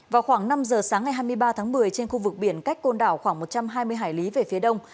vào khoảng năm giờ sáng ngày hai mươi ba tháng một mươi trên khu vực biển cách côn đảo khoảng một trăm hai mươi hải lý về phía đông